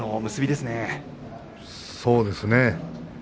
そうですね。